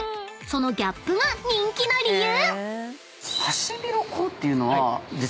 ［そのギャップが人気の理由］